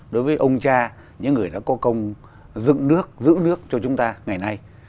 đối với ông cha những người đã có công dựng nước giữ nước cho chúng ta ngày nay